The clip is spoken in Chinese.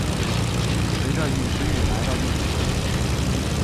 随着殒石雨来到地球的。